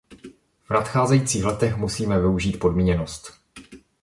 V nadcházejících letech musíme využít podmíněnost.